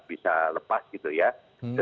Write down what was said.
bisa lepas sudah